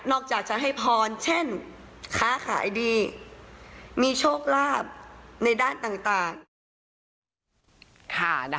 จากจะให้พรเช่นค้าขายดีมีโชคลาภในด้านต่าง